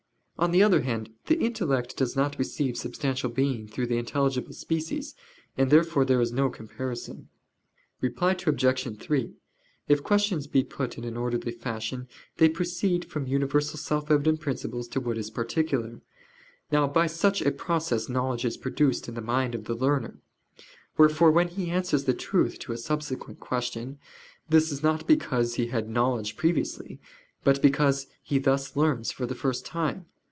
On the other hand, the intellect does not receive substantial being through the intelligible species; and therefore there is no comparison. Reply Obj. 3: If questions be put in an orderly fashion they proceed from universal self evident principles to what is particular. Now by such a process knowledge is produced in the mind of the learner. Wherefore when he answers the truth to a subsequent question, this is not because he had knowledge previously, but because he thus learns for the first time.